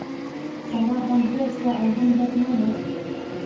سارا هم بوره شوه او هم بدنامه.